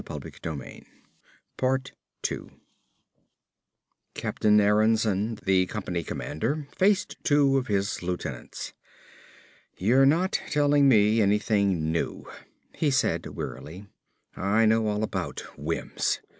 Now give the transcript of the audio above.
Captain Aronsen, the company commander, faced two of his lieutenants. "You're not telling me anything new," he said wearily. "I know all about Wims.